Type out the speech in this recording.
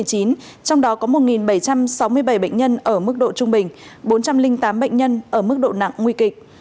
trong đó có một bảy trăm sáu mươi bảy bệnh nhân ở mức độ trung bình bốn trăm linh tám bệnh nhân ở mức độ nặng nguy kịch